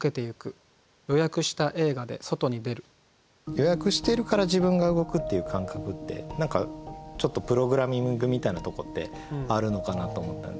予約しているから自分が動くっていう感覚って何かちょっとプログラミングみたいなとこってあるのかなと思ったんですよ。